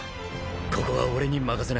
ここは俺に任せな。